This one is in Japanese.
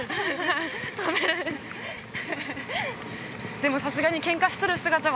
でもさすがにけんかする姿は